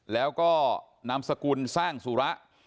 แล้วก็นามสกุลสร้างสุระ